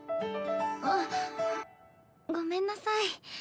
あごめんなさい。